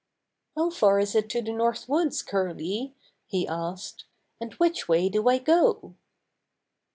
"How far is it to the North Woods, Curly?" he asked. "And which way do I go?"